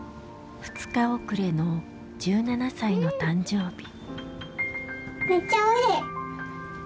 ２日遅れの１７歳の誕生日。